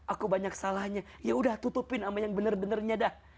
aku banyak salahnya yaudah tutupin sama yang benar benarnya dah